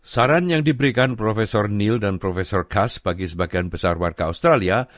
saran yang diberikan prof neil dan prof kass bagi sebagian besar warga australia